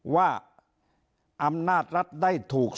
ว่าอำนาจรัฐได้ถูก